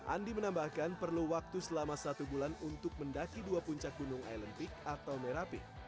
andi menambahkan perlu waktu selama satu bulan untuk mendaki dua puncak gunung island peak atau merah peak